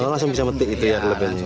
langsung bisa metik itu ya lebih